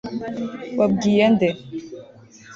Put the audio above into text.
wabwiye nde